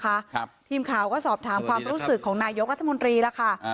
ครับทีมข่าวก็สอบถามความรู้สึกของนายกรัฐมนตรีแล้วค่ะอ่า